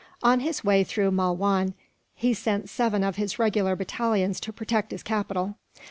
On his way through Malwan, he sent seven of his regular battalions to protect his capital.